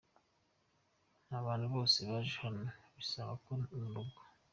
N’abantu bose baje hano bisanga nko mu rugo".